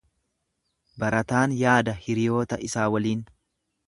Barataan yaada hiriyoota isaa waliin.